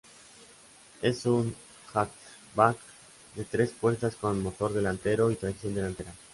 Es un hatchback de tres puertas con motor delantero y tracción delantera.